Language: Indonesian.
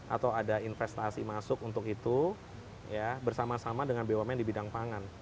atau ada investasi masuk untuk itu bersama sama dengan bumn di bidang pangan